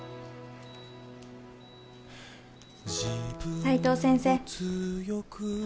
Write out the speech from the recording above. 斉藤先生